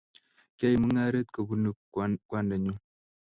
kyaib mungaret kobunu kwandanyu